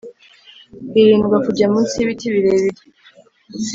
hirindwa kujya munsi y ibiti birebire